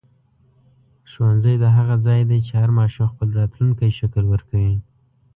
ښوونځی د هغه ځای دی چې هر ماشوم خپل راتلونکی شکل ورکوي.